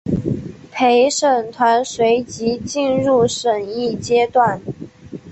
陪审团随即进入审议阶段。